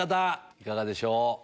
いかがでしょう？